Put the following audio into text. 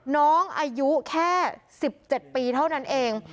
น้องอายุแค่๑๗ปีเท่านั้นเอง